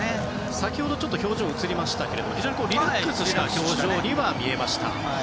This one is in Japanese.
先ほど表情が映りましたけど非常にリラックスした表情には見えました。